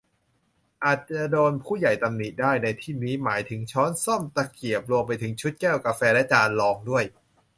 อาจจะโดนผู้ใหญ่ตำหนิได้ ในที่นี้หมายถึงช้อนส้อม ตะเกียบ รวมไปถึงชุดแก้วกาแฟและจานรองด้วย